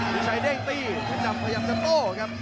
วิชัยเด้งตีเพชรดำพยายามจะโต้ครับ